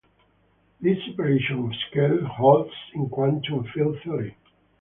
This separation of scales holds in quantum field theory.